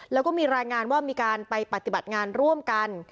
แล้วก็มีรายงานว่ามีการไปปฏิบัติงานร่วมกัน